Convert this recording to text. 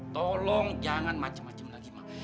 tolong jangan macem macem lagi ma